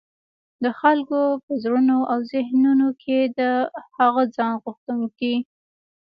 د خلګو په زړونو او ذهنونو کي د هغه ځان غوښتونکي